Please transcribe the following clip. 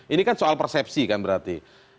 ini kan soal persepsi kan berarti